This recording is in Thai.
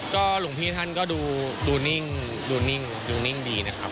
ก็หลวงพี่ท่านก็ดูนิ่งดีนะครับ